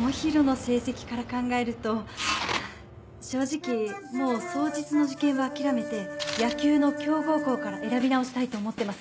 智弘の成績から考えると正直もう早実の受験は諦めて野球の強豪校から選び直したいと思ってます。